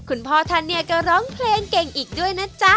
คุณพ่อท่านเนี่ยก็ร้องเพลงเก่งอีกด้วยนะจ๊ะ